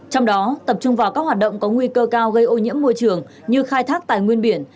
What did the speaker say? trong đó tập trung vào các hoạt động có nguy cơ cao gây ô nhiễm môi trường như khai thác tài nguyên biển